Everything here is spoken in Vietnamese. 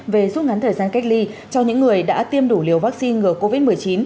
về rút ngắn thời gian cách ly cho những người đã tiêm đủ liều vaccine ngừa covid một mươi chín